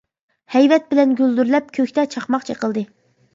ھەيۋەت بىلەن گۈلدۈرلەپ، كۆكتە چاقماق چېقىلدى.